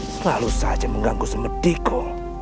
selalu saja mengganggu semediku